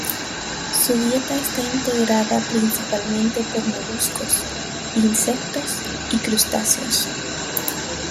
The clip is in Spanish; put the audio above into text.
Su dieta está integrada principalmente por moluscos, insectos y crustáceos.